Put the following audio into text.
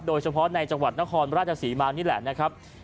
โดยเฉพาะในจังหวัดนครราชศรีมานี่แหละนะครับ